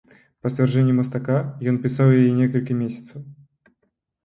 Па сцвярджэнні мастака, ён пісаў яе некалькі месяцаў.